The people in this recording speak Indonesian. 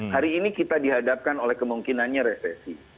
hari ini kita dihadapkan oleh kemungkinannya resesi